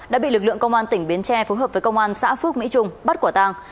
đã bị lực lượng công an tỉnh bến tre phối hợp với công an xã phước mỹ trung bắt quả tàng